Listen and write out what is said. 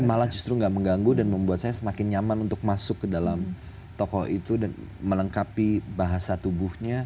malah justru nggak mengganggu dan membuat saya semakin nyaman untuk masuk ke dalam tokoh itu dan melengkapi bahasa tubuhnya